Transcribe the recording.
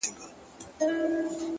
دا ستا د سترگو په كتاب كي گراني “